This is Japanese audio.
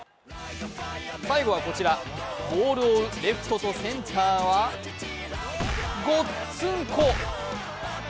最後はこちら、ボールを追うレフトとセンターはごっつんこ！